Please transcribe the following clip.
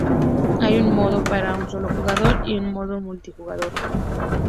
Hay un modo para un solo jugador y un modo multijugador.